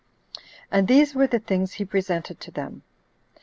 And these were the things he presented to them.